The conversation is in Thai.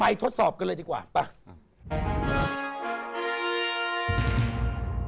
ทดสอบกันเลยดีกว่าไป